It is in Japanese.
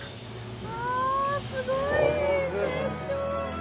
あぁすごい！成長。